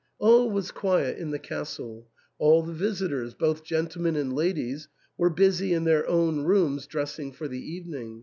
All was quiet in the castle ; all the visitors, both gentlemen and ladies, were busy in their own rooms dressing for the evening.